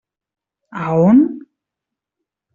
A on?